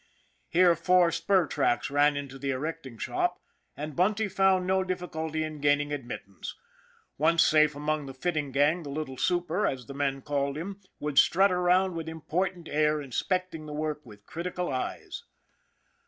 Here four spur tracks ran into the erecting shop, and Bunty found no difficulty in gaining admittance. Once safe among the fitting gang, the little Super, as the men called him, would strut around with important air, inspect ing the work with critical eyes.